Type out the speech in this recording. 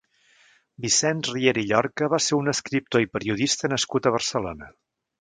Vicenç Riera i Llorca va ser un escriptor i periodista nascut a Barcelona.